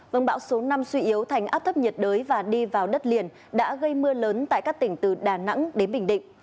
vâng bão số năm suy yếu thành áp thấp nhiệt đới và đi vào đất liền đã gây mưa lớn tại các tỉnh từ đà nẵng đến bình định